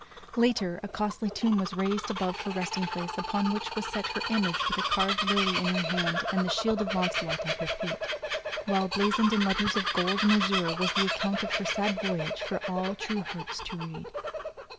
Later a costly tomb was raised above her resting place upon which was set her image with a carved lily in her hand and the shield of Launcelot at her feet, while blazoned in letters of gold and azure was the account of her sad voyage for all true hearts to read.